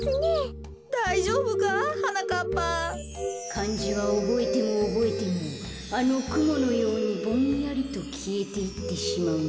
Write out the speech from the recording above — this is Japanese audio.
かんじはおぼえてもおぼえてもあのくものようにぼんやりときえていってしまうんだよ。